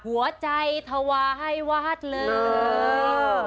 หัวใจถวายวัดหลู่